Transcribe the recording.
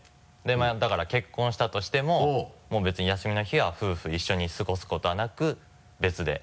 だから結婚したとしてももう別に休みの日は夫婦一緒に過ごすことはなく別で。